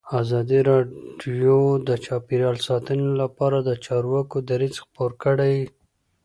ازادي راډیو د چاپیریال ساتنه لپاره د چارواکو دریځ خپور کړی.